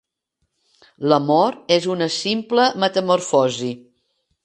La mort és una simple metamorfosi.